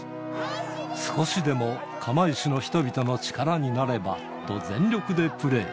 少しでも釜石の人々の力になればと、全力でプレー。